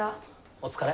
お疲れ。